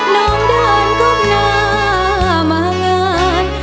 น้องเดินก้มหน้ามางาน